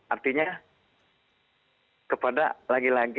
artinya kepada lagi lagi